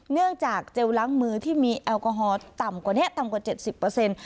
เนื่องจากเจลล้างมือที่มีแอลกอฮอลต่ำกว่านี้ต่ำกว่า๗๐